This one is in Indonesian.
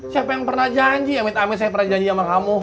siapa yang pernah janji amit amit saya pernah janji sama kamu